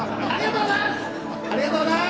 ありがとうございます！